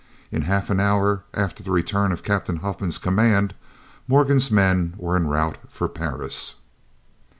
In half an hour after the return of Captain Huffman's command, Morgan's men were en route for Paris.